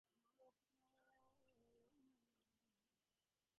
The terrain presents many uphill and downhill challenges for the runners.